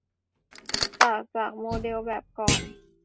ต่างจากโมเดลแบบก่อน